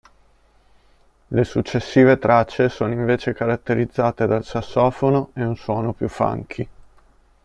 Le successive tracce sono invece caratterizzate dal sassofono e un suono più funky.